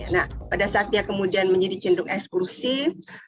nah pada saatnya kemudian menjadi cendung eksklusif